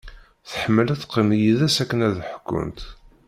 Tḥemmel ad teqqim d yid-s akken ad ḥkunt.